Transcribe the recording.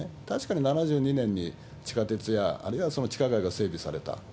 確かに７２年に地下鉄や、あるいは地下街が整備された。